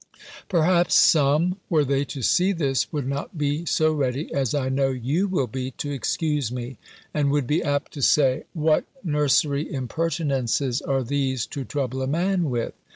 Perhaps some, were they to see this, would not be so ready, as I know you will be, to excuse me; and would be apt to say, "What nursery impertinences are these to trouble a man with!"